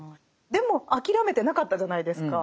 でも諦めてなかったじゃないですか。